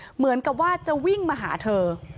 เหมือนกับว่าจะวิ่งมาหาเธอ